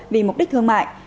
vì mục đích thương mại